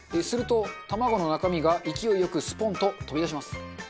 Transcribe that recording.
すると卵の中身が勢いよくスポンと飛び出します。